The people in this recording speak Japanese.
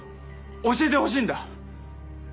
教えてほしいんだ！